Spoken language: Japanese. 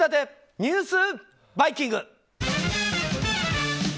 ニュースバイキング。